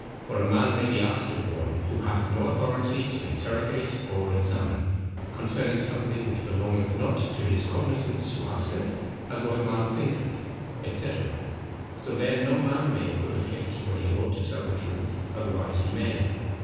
For a man may be asked of one, who hath no authority to interrogate or examine, concerning something which belongeth not to his cognizance who asketh, as what a man thinketh, &c. So then no man may equivocate when he ought to tell the truth, otherwise he may."